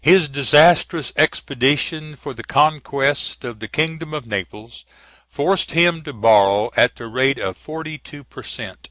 His disastrous expedition for the conquest of the kingdom of Naples forced him to borrow at the rate of forty two per cent.